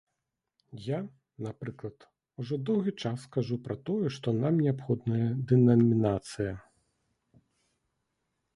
Я, напрыклад, ужо доўгі час кажу пра тое, што нам неабходная дэнамінацыя.